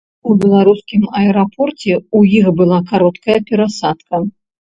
У беларускім аэрапорце ў іх была кароткая перасадка.